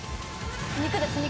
肉です肉。